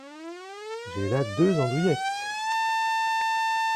J’ai là deux andouillettes…